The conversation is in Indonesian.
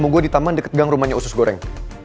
penggil gue harian kayak s elong